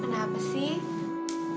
drei kamu kenapa sih